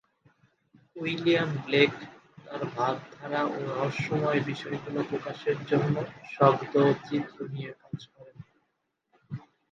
William Blake তার ভাবধারা ও রহস্যময় বিষয়গুলো প্রকাশের জন্য শব্দ ও চিত্র নিয়ে কাজ করেন।